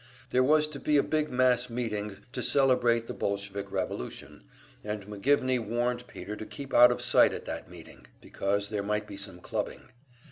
There was to be a big mass meeting to celebrate the Bolshevik revolution, and McGivney warned Peter to keep out of sight at that meeting, because there might be some clubbing.